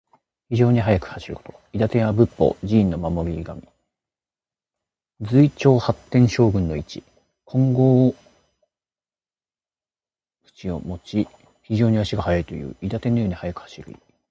非常に速く走ること。「韋駄天」は仏法・寺院の守り神。増長天八将軍の一。金剛杵をもち、非常に足が速いという。韋駄天のように速く走る意。